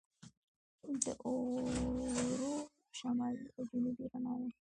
د اورورا شمالي او جنوبي رڼا ده.